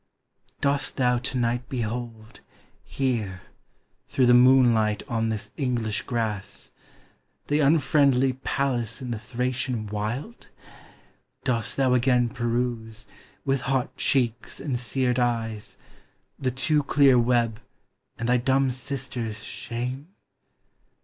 Dost thou to night behold, Here, through the moonlight on this English grass, The unfriendly palace in the Thracian wild? Dost thou again peruse, With hot cheeks and seared eyes, The too clear web, and thy dumb sister's shame?